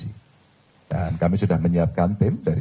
hanya hanya tidak adaunsi hari